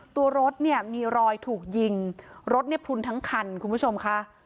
ตัวรถเนี่ยมีรอยถูกยิงรถเนี่ยพลุนทั้งคันคุณผู้ชมค่ะ